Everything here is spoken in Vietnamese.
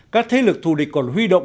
các thế lực thù địch còn huy động